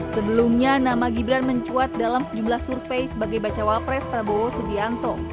sebelumnya nama gibran mencuat dalam sejumlah survei sebagai bacawa pres prabowo subianto